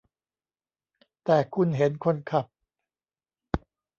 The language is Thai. แต่คุณเห็นคนขับ !